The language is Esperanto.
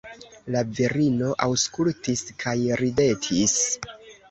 La virino aŭskultis kaj ridetis.